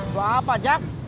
lo apa jak